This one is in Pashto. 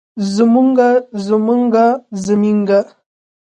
زمونږه زمونګه زمينګه